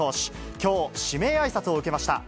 きょう、指名あいさつを受けました。